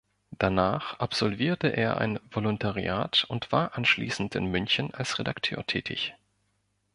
Danach absolvierte er ein Volontariat und war anschließend in München als Redakteur tätig.